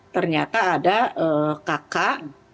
ternyata ada kakak